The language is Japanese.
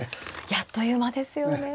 あっという間ですよね。